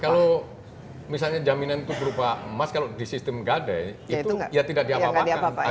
kalau misalnya jaminan itu berupa emas kalau di sistem gade itu ya tidak diapa apakan